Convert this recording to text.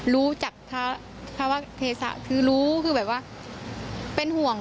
รู้จักภาวะเทศะคือรู้คือแบบว่าเป็นห่วง